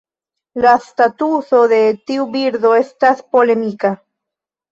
La statuso de tiu birdo estas polemika.